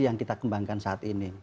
yang kita kembangkan saat ini